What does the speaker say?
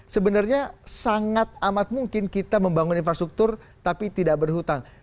sebenarnya sangat amat mungkin kita membangun infrastruktur tapi tidak berhutang